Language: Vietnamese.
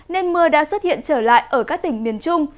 nên mưa đã xuất hiện trở lại ở các tỉnh miền trung